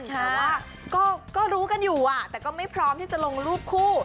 แต่ว่าก็รู้กันอยู่แต่ก็ไม่พร้อมที่จะลงรูปคู่